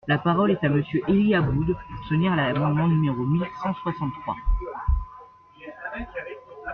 La parole est à Monsieur Élie Aboud, pour soutenir l’amendement numéro mille cent soixante-trois.